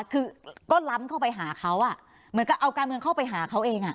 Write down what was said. คือก็ล้ำเข้าไปหาเขาเหมือนกับเอาการเมืองเข้าไปหาเขาเอง